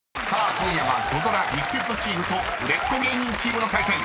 ［今夜は土ドラギフテッドチームと売れっ子芸人チームの対戦］